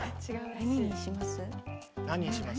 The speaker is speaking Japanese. ねえ何にします？